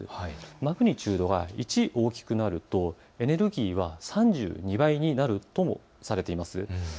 マグニチュードが１大きくなるとエネルギーは３２倍になるともされています。